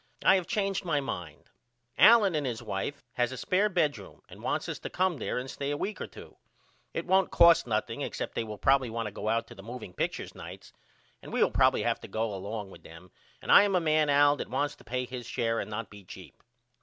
I have changed my mind. Allen and his wife has a spair bedroom and wants us to come there and stay a week or two. It won't cost nothing except they will probily want to go out to the moving pictures nights and we will probily have to go along with them and I a a man Al that wants to pay his share and not be cheap.